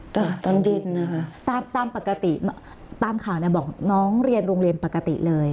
ตอนเย็นนะคะตามตามปกติตามข่าวเนี่ยบอกน้องเรียนโรงเรียนปกติเลย